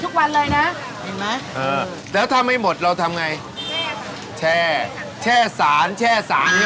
เออแล้วถ้าไม่หมดเราทำไงแช่แช่สารแช่สารใช่ไหม